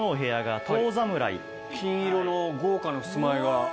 金色の豪華なふすま絵が。